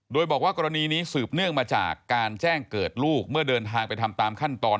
โดยบอกว่ากรณีนี้สืบเนื่องมาจากการแจ้งเกิดลูกเมื่อเดินทางไปทำตามขั้นตอน